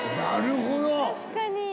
確かに。